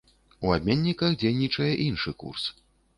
У абменніках дзейнічае іншы курс.